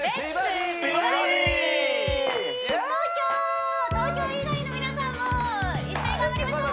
東京東京以外の皆さんも一緒に頑張りましょう！